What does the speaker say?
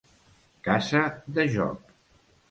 Casa de joc.